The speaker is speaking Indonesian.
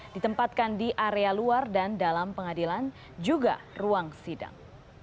ditempatkan di area luar dan dalam pengadilan juga ruang sidang